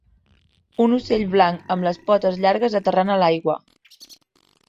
Un ocell blanc amb les potes llargues aterrant a l'aigua.